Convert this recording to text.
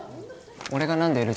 俺が何でＬ